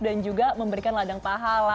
dan juga memberikan ladang pahala